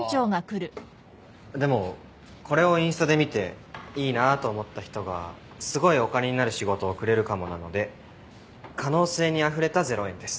でもこれをインスタで見ていいなと思った人がすごいお金になる仕事をくれるかもなので可能性にあふれた０円です。